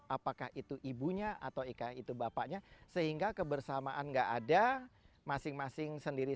apakah itu ibunya atau bapaknya sehingga kebersamaan nggak ada masing masing sendiri